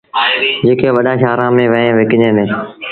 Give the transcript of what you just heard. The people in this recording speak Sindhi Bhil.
جيڪي وڏآݩ شآهرآݩ ميݩ وهي وڪجيٚن ديٚݩ۔